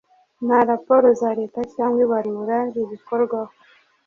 nta raporo za leta cyangwa ibarura ribikorwaho